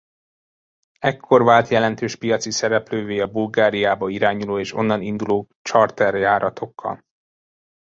Ekkor vált jelentős piaci szereplővé a Bulgáriába irányuló és onnan induló charterjáratokkal.